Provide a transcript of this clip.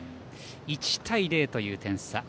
１対０という点差。